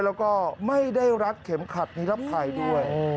แล้วก็ไม่ได้รัดเข็มขัดนิรภัยด้วย